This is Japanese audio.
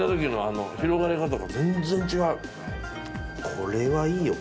これはいいよ。